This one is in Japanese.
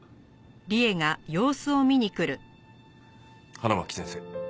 花巻先生。